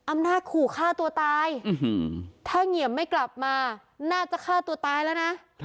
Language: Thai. อำนาจขู่ฆ่าตัวตายถ้าเหงียมไม่กลับมาน่าจะฆ่าตัวตายแล้วนะ